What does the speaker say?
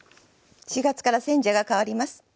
４月から選者が替わります。